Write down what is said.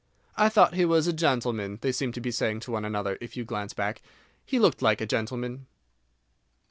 "I thought he was a gentleman," they seem to be saying to one another, if you glance back, "he looked like a gentleman."